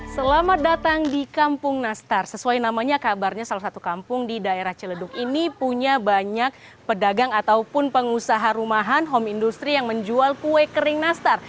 selamat datang di kampung nastar sesuai namanya kabarnya salah satu kampung di daerah ciledug ini punya banyak pedagang ataupun pengusaha rumahan home industry yang menjual kue kering nastar